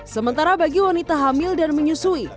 sementara bagi wanita hamil dan menyusui